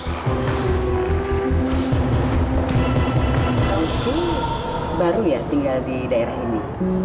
kamu tuh baru ya tinggal di daerah ini